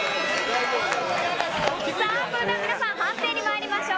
さあ、それでは皆さん、判定にまいりましょう。